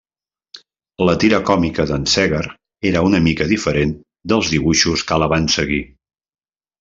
La tira còmica d'en Segar era una mica diferent dels dibuixos que la van seguir.